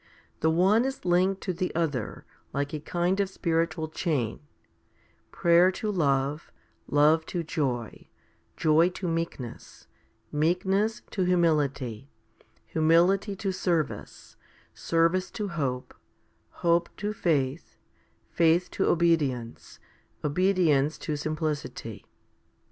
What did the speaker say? The one is linked to the other, like a kind of spiritual chain ; prayer to love, love to joy, joy to meekness, meekness to humility, humility to service, service to hope, hope to faith, faith to obedience, obedience to simplicity.